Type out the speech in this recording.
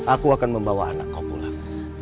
aku akan membawa anak kau pulang